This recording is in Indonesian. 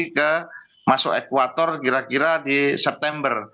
ke masuk ekuator kira kira di september